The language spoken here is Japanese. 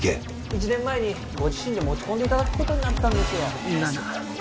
１年前にご自身で持ち込んでいただくことになったんですよそうなの？